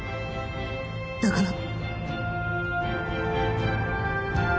だから